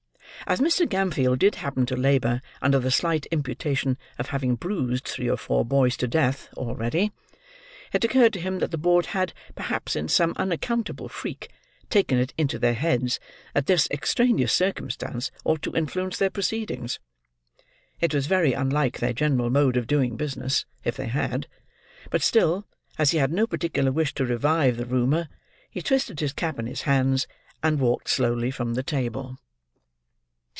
As Mr. Gamfield did happen to labour under the slight imputation of having bruised three or four boys to death already, it occurred to him that the board had, perhaps, in some unaccountable freak, taken it into their heads that this extraneous circumstance ought to influence their proceedings. It was very unlike their general mode of doing business, if they had; but still, as he had no particular wish to revive the rumour, he twisted his cap in his hands, and walked slowly from the table.